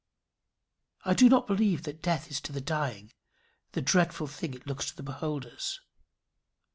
I do not believe that death is to the dying the dreadful thing it looks to the beholders.